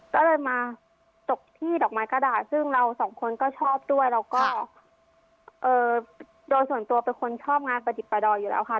ก็เลยมาจบที่ดอกไม้กระดาษซึ่งเราสองคนก็ชอบด้วยแล้วก็โดยส่วนตัวเป็นคนชอบงานประดิษฐ์ประดอยอยู่แล้วค่ะ